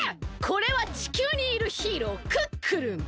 これは地球にいるヒーロークックルン。